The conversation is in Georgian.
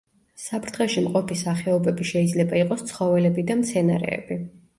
საფრთხეში მყოფი სახეობები შეიძლება იყოს ცხოველები და მცენარეები.